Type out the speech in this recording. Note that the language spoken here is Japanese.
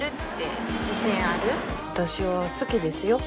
私は好きですよ。